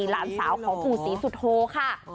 หล่านสาวของกุศีสุโทรค่ะ